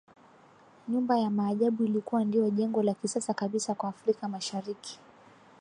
Nyumba ya Maajabu ilikuwa ndio jengo la kisasa kabisa kwa Afrika Mashariki